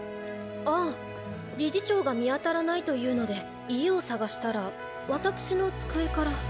⁉ああ理事長が見当たらないと言うので家を捜したらわたくしの机から。